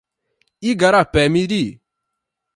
Igarapé-Miri